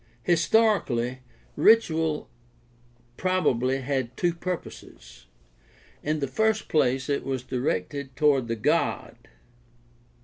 — Historically, ritual probably had two purposes. In the first place it was directed toward the god.